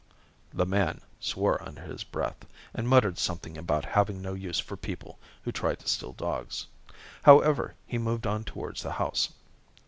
The man swore under his breath, and muttered something about having no use for people who tried to steal dogs. However, he moved on towards the house.